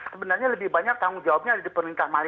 sebenarnya lebih banyak tanggung jawabnya ada di perusahaan